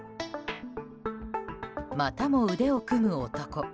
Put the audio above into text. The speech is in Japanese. またも腕を組む男。